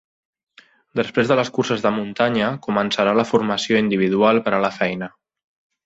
Després de les curses de muntanya començarà la formació individual per a la feina.